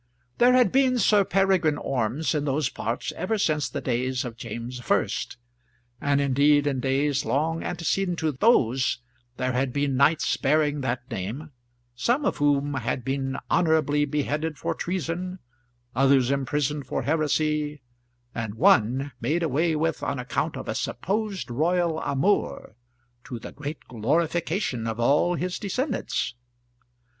There had been Sir Peregrine Ormes in those parts ever since the days of James I; and indeed in days long antecedent to those there had been knights bearing that name, some of whom had been honourably beheaded for treason, others imprisoned for heresy; and one made away with on account of a supposed royal amour, to the great glorification of all his descendants.